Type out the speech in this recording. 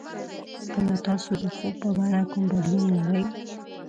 ایا تاسو د خوب په بڼه کې کوم بدلون لرئ؟